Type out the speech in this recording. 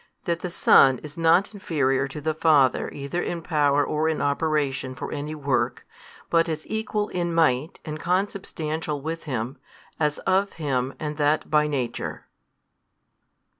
That the Son is not inferior to the Father either in power or in operation for any work but is Equal in Might and Consubstantial with Him, as of Him and that by Nature.